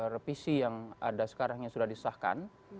revisi yang ada sekarang yang sudah disahkan